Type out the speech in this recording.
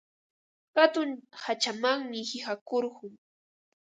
Hatun hachamanmi qiqakurqun.